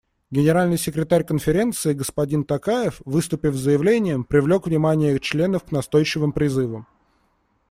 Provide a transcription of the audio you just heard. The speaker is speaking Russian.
Генеральный секретарь Конференции господин Токаев, выступив с заявлением, привлек внимание членов к настойчивым призывам.